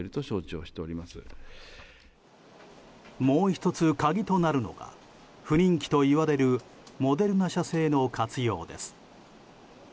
もう１つ鍵となるのが不人気といわれるモデルナ社製の活用です。